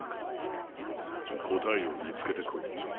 答えを見つけてこい。